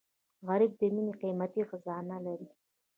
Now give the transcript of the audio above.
غریب د مینې قیمتي خزانه لري